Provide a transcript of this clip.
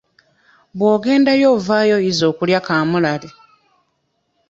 Bw'ogendayo ovaayo oyize okulya kaamulali.